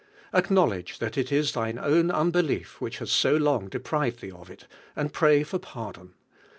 Acknowledge that it is thine own nnhelief which has so long deprived thee of it, and pray for pardon.